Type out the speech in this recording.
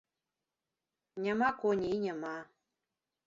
Няма коней і няма.